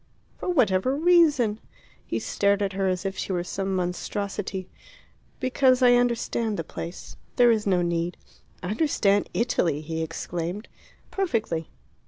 "For whatever reason?" He stared at her as if she were some monstrosity. "Because I understand the place. There is no need." "Understand Italy!" he exclaimed. "Perfectly."